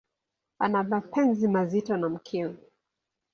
Ana mapenzi mazito na mkewe.